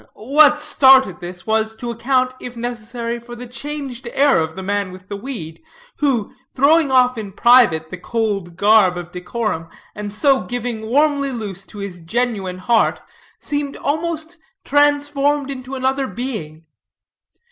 What started this was, to account, if necessary, for the changed air of the man with the weed, who, throwing off in private the cold garb of decorum, and so giving warmly loose to his genuine heart, seemed almost transformed into another being.